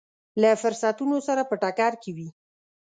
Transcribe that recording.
له فرضونو سره په ټکر کې وي.